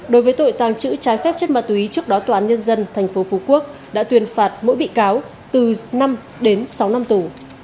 đối với tội tàng trữ trái phép chất ma túy trước đó tòa án nhân dân tp phú quốc đã tuyên phạt mỗi bị cáo từ năm đến sáu năm tù